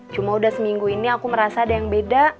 cuma udah seminggu ini aku merasa ada yang beda